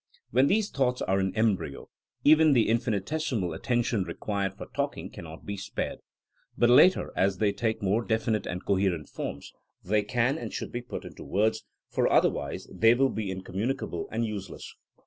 When these thoughts are in embryo, even the infinitesimal attention re quired for talking cannot be spared. But later, as they take more definite and coherent form, they can and should be put into words, for oth erwise they will be incommunicable and useless.